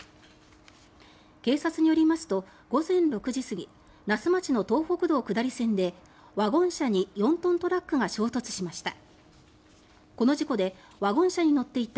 警察によりますと、午前６時過ぎ那須町の東北道下り線でワゴン車に４トントラックが衝突しました。